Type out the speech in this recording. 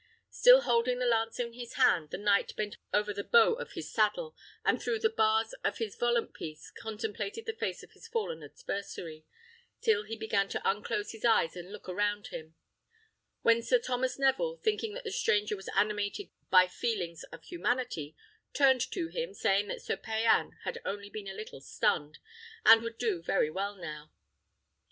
Still holding the lance in his hand, the knight bent over the bow of his saddle, and through the bars of his volant piece contemplated the face of his fallen adversary, till he began to unclose his eyes and look around him; when Sir Thomas Neville, thinking that the stranger was animated merely by feelings of humanity, turned to him, saying that Sir Payan had only been a little stunned, and would do very well now.